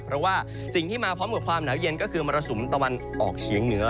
เพราะว่าสิ่งที่มาพร้อมกับความหนาวเย็นก็คือมรสุมตะวันออกเฉียงเหนือ